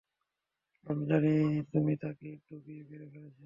আমি জানি তুমি তাকে ডুবিয়ে মেরে ফেলছো।